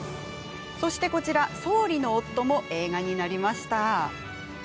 そして、こちら「総理の夫」も映画になりました。